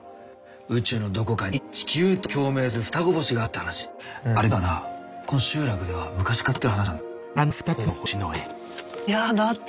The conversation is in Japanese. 宇宙のどこかに地球と共鳴する双子星があるって話あれ実はなこの集落では昔から伝わってる話なんだ。